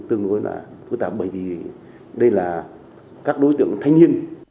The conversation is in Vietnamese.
tương đối là phức tạp bởi vì đây là các đối tượng thanh niên